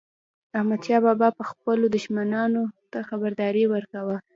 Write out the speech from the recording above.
احمدشاه بابا به خپلو دښمنانو ته خبرداری ورکاوه.